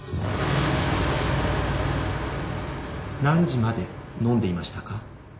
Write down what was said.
何時まで飲んでいましたか？